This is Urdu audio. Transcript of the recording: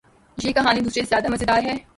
یہ کہانی دوسرے سے زیادو مزیدار ہے